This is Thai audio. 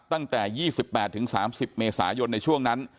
ตั้งแต่๒๘๓๐เมษายนในช่วงนั้น